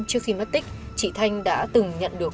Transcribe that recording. trước khi mất tích chị thanh đã từng nhận được